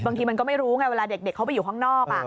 บางทีมันก็ไม่รู้ไงเวลาเด็กเขาไปอยู่ข้างนอก